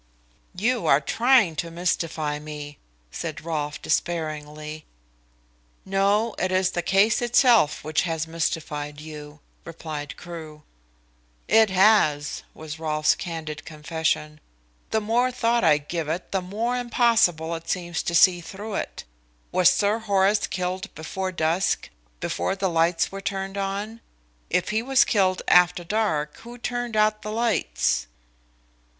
"You are trying to mystify me," said Rolfe despairingly. "No; it is the case itself which has mystified you," replied Crewe. "It has," was Rolfe's candid confession. "The more thought I give it, the more impossible it seems to see through it. Was Sir Horace killed before dusk before the lights were turned on? If he was killed after dark, who turned out the lights?"